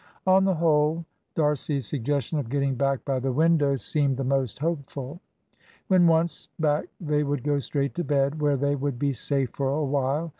On the whole D'Arcy's suggestion of getting back by the window seemed the most hopeful. When once back they would go straight to bed, where they would be safe for a while.